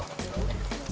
eh siap kok